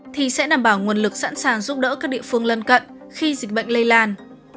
thì sẽ đảm bảo nguồn lực sẵn sàng giúp đỡ các địa phương lân cận khi dịch bệnh lây lan